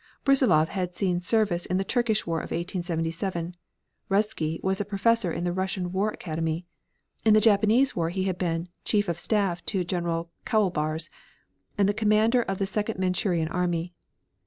Brussilov had seen service in the Turkish War of 1877. Ruzsky was a professor in the Russian War Academy. In the Japanese war he had been chief of staff to General Kaulbars, the commander of the Second Manchurian army.